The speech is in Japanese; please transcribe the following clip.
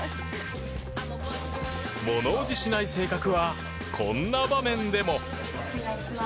物怖じしない性格はこんな場面でも。